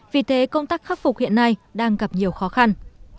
vì thế công tác khắc phục hiện nay đang gặp nhiều khó khăn